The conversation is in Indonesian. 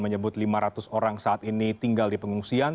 menyebut lima ratus orang saat ini tinggal di pengungsian